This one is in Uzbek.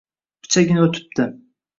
— Pichagina o‘tibdi.